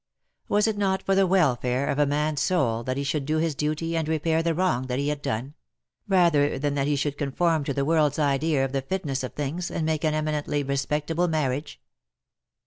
Was it not for the welfare of a man^s soul that he should do his duty and repair the wrong that he had done; rather than that he should conform to the world^s idea of the fitness of things and make an eminently respectable marriage